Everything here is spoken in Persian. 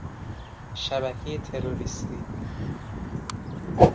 شبکه تروریستی